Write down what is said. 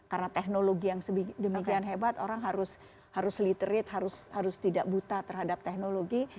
karena teknologi yang demikian hebat orang harus harus literate harus harus tidak buta terhadap teknologi